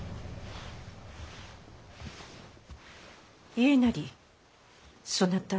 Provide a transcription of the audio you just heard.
家斉そなた